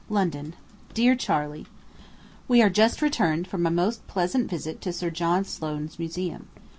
LONDON DEAR CHARLEY: We are just returned from a most pleasant visit to Sir John Soane's Museum.